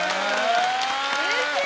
うれしい！